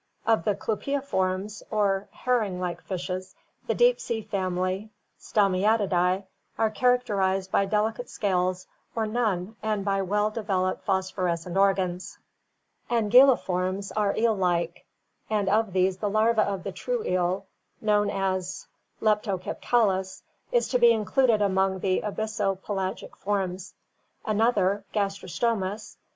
Of the Clupeiformes or herring like fishes the deep sea family Stomiatidae are characterized by delicate scales or none and by well developed phosphorescent organs. Anguilliformes are eel like, and of these the larva of the true eel, known as Leptocepkalus, is to be included among the abysso pelagic forms. Another, Gastrostomus (Fig.